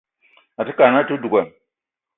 Àte kad na àte duga